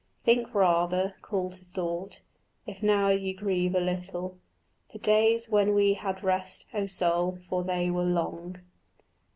Think rather, call to thought, if now you grieve a little, The days when we had rest, O soul, for they were long.